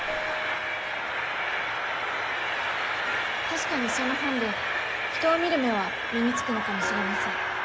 確かにその本で人を見る目は身につくのかもしれません。